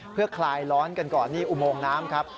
เพื่อคลายร้อนกันก่อนนี่อุโมงน้ำครับ